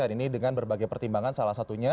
ini dengan berbagai pertimbangan salah satunya